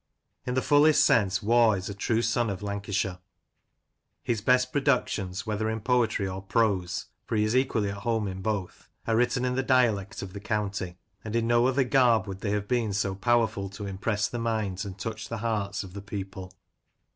In the fullest sense Waugh is a true son of Lancashire His best productions, whether in poetry or prose — ^for he is equally at home in both — are written in the dialect of the county, and in no other garb would they have been so powerful to impress the minds, and touch the hearts of the people.